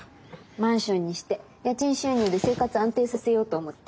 マンションにして家賃収入で生活安定させようと思って。